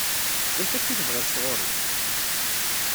D acu akka i tebɣiḍ sɣur-i?